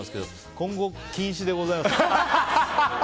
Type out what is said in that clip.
今後、禁止でございます。